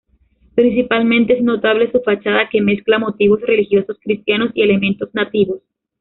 Principalmente es notable su fachada que mezcla motivos religiosos cristianos y elementos nativos.